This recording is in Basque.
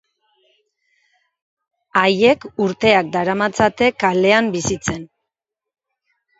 Haiek urteak daramatzate kalean bizitzen.